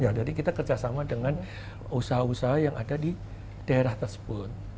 ya jadi kita kerjasama dengan usaha usaha yang ada di daerah tersebut